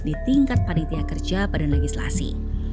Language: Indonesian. di tingkat paritia kerja pada legislasi